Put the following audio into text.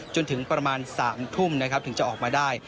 จนถึงประมาณ๓ทุ่มนะครับถึงจะออกมาได้